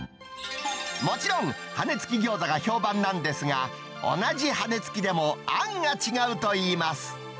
もちろん羽根付き餃子が評判なんですが、同じ羽根付きでも、あんが違うといいます。